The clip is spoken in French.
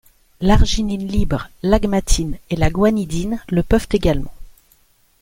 L'arginine libre, l'agmatine et la guanidine le peuvent également.